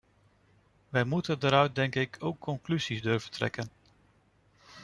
Wij moeten daaruit, denk ik, ook conclusies durven trekken.